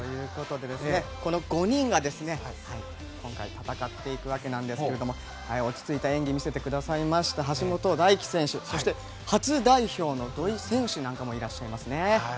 この５人が今回戦っていくわけですが落ち着いた演技を見せてくれました、橋本大輝選手そして、初代表の土井選手もいらっしゃいますね。